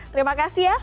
terima kasih ya